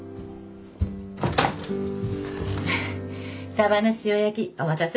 ・サバの塩焼きお待たせ。